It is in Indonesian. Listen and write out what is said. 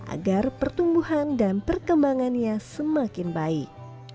agar pertumbuhan dan perkembangannya semakin baik